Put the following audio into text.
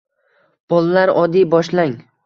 Bolalar, oddiy boshlang